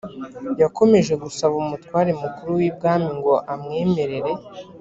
yakomeje gusaba umutware mukuru w’ ibwami ngo amwemerere .